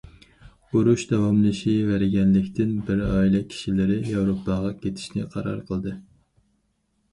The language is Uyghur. ئۇرۇش داۋاملىشىۋەرگەنلىكتىن، بىر ئائىلە كىشىلىرى ياۋروپاغا كېتىشنى قارار قىلدى.